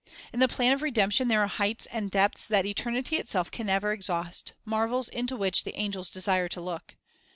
In the plan of redemption there are heights and depths that eternity itself can never exhaust, marvels into which the angels desire to look.